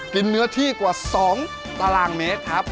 เนื้อที่กว่า๒ตารางเมตรครับ